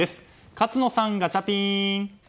勝野さん、ガチャピン。